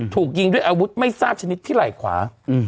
ถูกยิงด้วยอาวุธไม่ทราบชนิดที่ไหล่ขวา